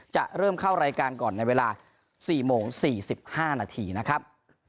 จะเริ่มเข้ารายการก่อนในเวลา๔โมง๔๕นาทีนะครับ